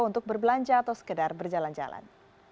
untuk berbelanja atau sekedar berjalan jalan